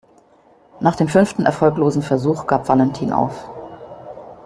Nach dem fünften erfolglosen Versuch gab Valentin auf.